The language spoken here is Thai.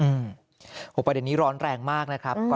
อืมหกประเด็นนี้ร้อนแรงมากนะครับอืม